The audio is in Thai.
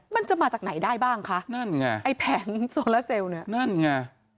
มันจะมาจากไหนได้บ้างคะนั่นไงไอ้แผงโซลาเซลลเนี่ยนั่นไง